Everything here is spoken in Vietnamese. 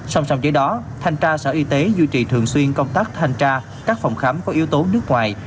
song song với đó thành tra sở y tế tp hcm duy trì thường xuyên công tác thanh tra các phòng khám có yếu tố nước ngoài